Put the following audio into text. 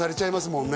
もんね